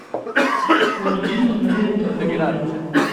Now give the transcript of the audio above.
Werjin nemlal-d Ḥuriya.